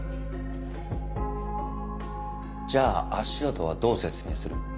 じゃあ足跡はどう説明する？